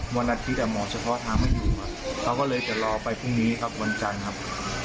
วันอาทิตย์หมอเฉพาะทางไม่อยู่เขาก็เลยจะรอไปพรุ่งนี้ครับวันจันทร์ครับ